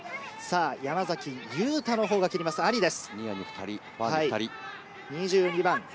山崎佑太のほうが蹴ります、兄です。